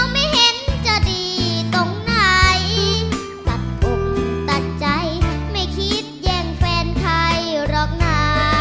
ไม่คิดเยี่ยมแฟนไทยหรอกนะ